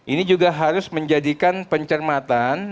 ini juga harus menjadikan pencermatan